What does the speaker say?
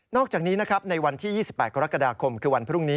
อกจากนี้นะครับในวันที่๒๘กรกฎาคมคือวันพรุ่งนี้